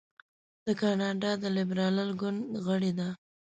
د کاناډا د لیبرال ګوند غړې ده.